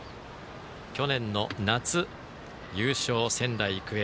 去年の夏、優勝、仙台育英。